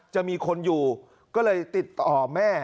จะมีคนอยู่ก็เลยติดต่อแม่